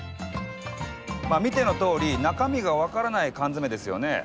見てのとおり中身が分からない缶詰ですよね。